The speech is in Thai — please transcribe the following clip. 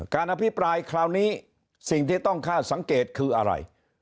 อภิปรายคราวนี้สิ่งที่ต้องคาดสังเกตคืออะไร